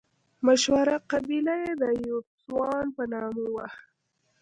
مشهوره قبیله یې د یبوسان په نامه وه.